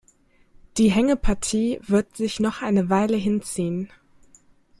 Die Hängepartie wird sich noch eine Weile hinziehen.